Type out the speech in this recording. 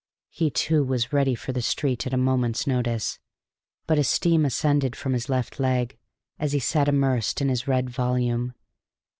He, too, was ready for the street at a moment's notice; but a steam ascended from his left leg, as he sat immersed in his red volume.